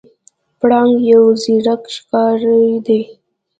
پړانګ یو زیرک ښکاری دی.